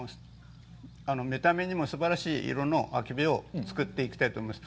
見た目にもすばらしい色のあけびを作っていきたいと思います。